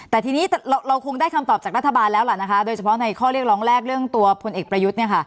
แต่ทีนี้เราคงได้คำตอบจากรัฐบาลแล้วล่ะนะคะโดยเฉพาะในข้อเรียกร้องแรกเรื่องตัวพลเอกประยุทธ์